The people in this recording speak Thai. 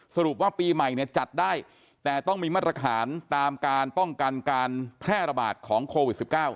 สรุปว่าปีใหม่เนี่ยจัดได้แต่ต้องมีมาตรฐานตามการป้องกันการแพร่ระบาดของโควิด๑๙